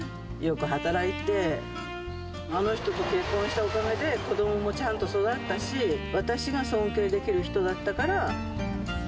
よく働いて、あの人と結婚したおかげで、子どももちゃんと育ったし、私が尊敬できる人だったから。